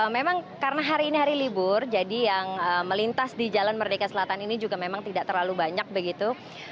memang karena hari ini hari libur jadi yang melintas di jalan merdeka selatan ini juga memang tidak terlalu banyak begitu